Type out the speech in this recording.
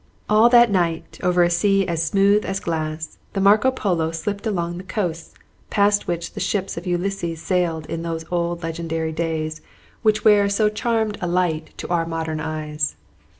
All that night, over a sea as smooth as glass, the "Marco Polo" slipped along the coasts past which the ships of Ulysses sailed in those old legendary days which wear so charmed a light to our modern eyes.